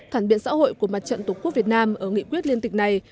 phản biện xã hội của mặt trận tổ quốc việt nam ở nghị quyết liên tịch này